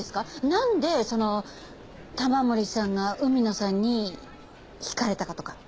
なんでその玉森さんが海野さんに惹かれたかとか。